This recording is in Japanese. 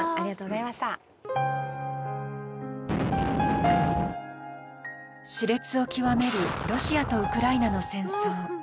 しれつを極めるロシアとウクライナの戦争。